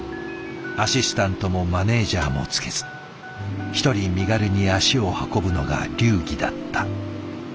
アシスタントもマネージャーもつけず一人身軽に足を運ぶのが流儀だった。